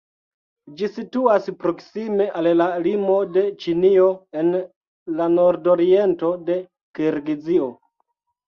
Ĝi situas proksime al la limo de Ĉinio en la nordoriento de Kirgizio.